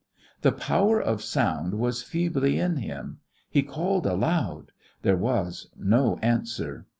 The power of sound was feebly in him; he called aloud; there was no answer.